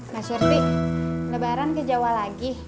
mas syerti udah barang ke jawa lagi